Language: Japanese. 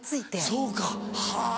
そうかはぁ。